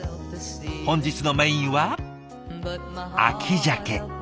本日のメインは秋鮭。